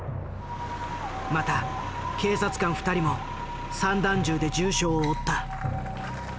また警察官２人も散弾銃で重傷を負った。